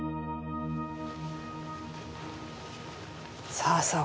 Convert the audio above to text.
さあさあ